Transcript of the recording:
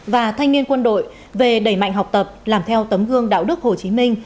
và thanh niên quân đội về đẩy mạnh học tập làm theo tấm gương đạo đức hồ chí minh